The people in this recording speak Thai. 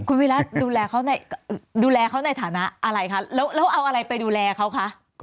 คุณวีระดูแลเขาในฐานะอะไรคะแล้วเอาอะไรไปดูแลเขาคะ